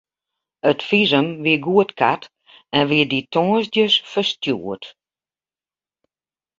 It fisum wie goedkard en wie dy tongersdeis ferstjoerd.